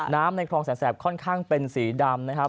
ในคลองแสนแสบค่อนข้างเป็นสีดำนะครับ